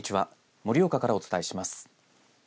盛岡からお伝えします。